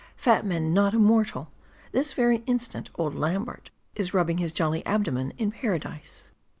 Fat men not immortal ! This very instant, old Lambert is rubbing his jolly abdomen in Paradise.